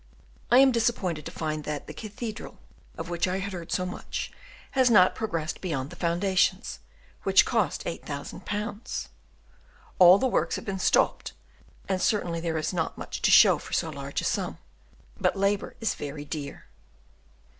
I am disappointed to find that, the cathedral, of which I had heard so much, has not progressed beyond the foundations, which cost 8,000 pounds: all the works have been stopped, and certainly there is not much to show for so large a sum, but labour is very dear.